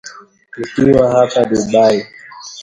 Nikiwa hapa Dubai